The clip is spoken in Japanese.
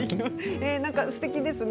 すてきですね。